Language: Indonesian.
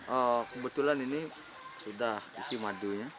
oh kebetulan ini sudah isi madunya